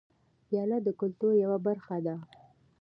پیاله د کلتور یوه برخه ده.